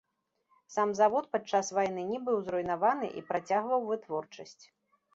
Сам завод падчас вайны не быў зруйнаваны і працягваў вытворчасць.